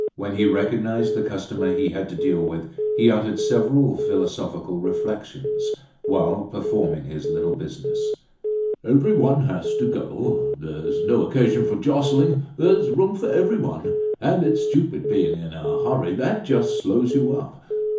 When he recognized the customer he had to deal with he uttered several philosophical reflections, whilst performing his little business. "Everyone has to go. There's no occasion for jostling, there's room for everyone. And it's stupid being in a hurry that just slows you up.